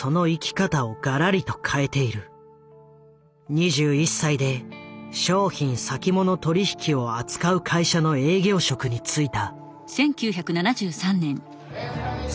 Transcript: ２１歳で商品先物取引を扱う会社の営業職に就いた。